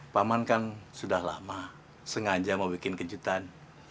paman kan sudah lama sengaja mau bikin kejutan